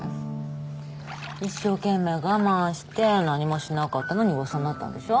一生懸命我慢して何もしなかったのに噂になったんでしょ？